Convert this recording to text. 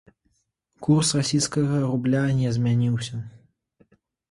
Курс расійскага рубля не змяніўся.